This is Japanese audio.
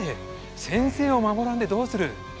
先生を守らんでどうする？